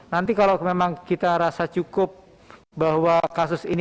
nanti kalau memang kita rasa cukup bahwa kasus ini